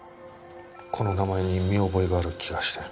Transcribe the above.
この名前に見覚えがある気がして。